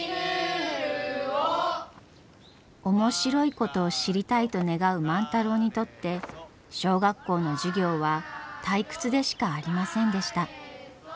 面白いことを知りたいと願う万太郎にとって小学校の授業は退屈でしかありませんでした。